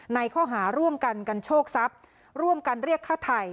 ในข้อหาร่วมกันกันโชคทรัพย์ร่วมกันเรียกฆ่าไทย